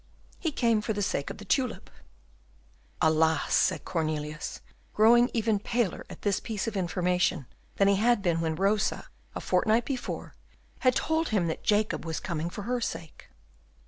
"He came for the sake of the tulip." "Alas!" said Cornelius, growing even paler at this piece of information than he had been when Rosa, a fortnight before, had told him that Jacob was coming for her sake.